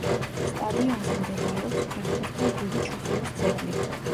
სტადიონზე მდებარეობს ფეხბურთელ გივი ჩოხელის ძეგლი.